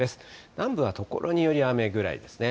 南部は所により雨ぐらいですね。